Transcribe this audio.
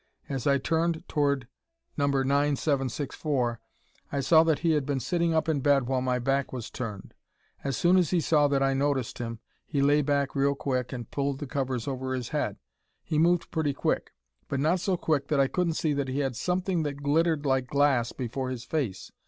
As I turned toward No. 9764 I saw that he had been sitting up in bed while my back was turned. As soon as he saw that I noticed him, he lay back real quick and pulled the covers over his head. He moved pretty quick, but not so quick that I couldn't see that he had something that glittered like glass before his face.